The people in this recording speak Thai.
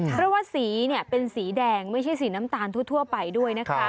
เพราะว่าสีเป็นสีแดงไม่ใช่สีน้ำตาลทั่วไปด้วยนะคะ